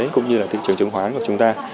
cũng như là thị trường chứng khoán của chúng ta